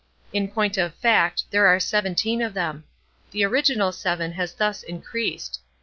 In point of fact, there are seventeen of them. The original seven has thus increased.